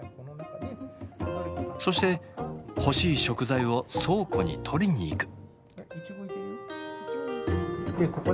そして欲しい食材を倉庫に取りに行く。